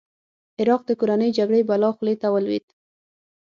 عراق د کورنۍ جګړې بلا خولې ته ولوېد.